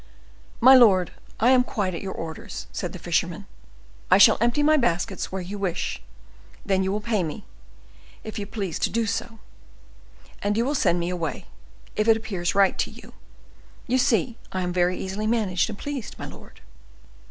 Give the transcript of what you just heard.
"My lord, I am quite at your orders," said the fisherman; "I shall empty my baskets where you wish; then you will pay me, if you please to do so; and you will send me away, if it appears right to you. You see I am very easily managed and pleased, my lord."